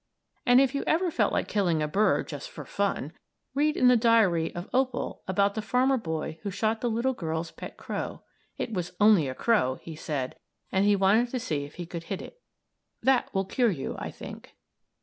And if you ever feel like killing a bird "just for fun," read in the diary of "Opal" about the farmer boy who shot the little girl's pet crow; it was "only a crow," he said, and he wanted to see if he could hit it. That will cure you, I think.